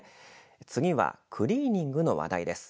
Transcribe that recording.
次はクリーニングの話題です。